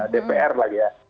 dpr lagi ya